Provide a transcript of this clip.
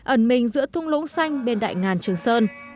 ẩn mình giữa thung lũng xanh bên đại ngàn trường sơn